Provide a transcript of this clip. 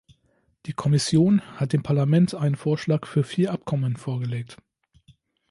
Die Kommission hat dem Parlament einen Vorschlag für vier Abkommen vorgelegt.